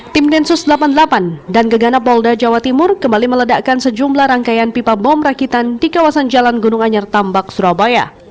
tim densus delapan puluh delapan dan gegana polda jawa timur kembali meledakkan sejumlah rangkaian pipa bom rakitan di kawasan jalan gunung anyar tambak surabaya